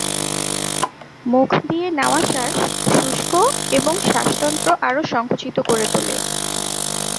মুখ দিয়ে নেওয়া শ্বাস শুষ্ক এবং শ্বাসতন্ত্র আরও সংকুচিত করে তোলে।